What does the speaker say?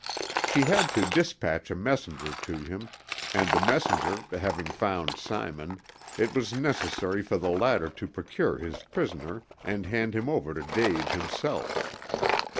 She had to dispatch a messenger to him, and the messenger having found Simon, it was necessary for the latter to procure his prisoner and hand him over to Dave himself.